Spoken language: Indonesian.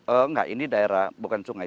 enggak ini daerah bukan sungai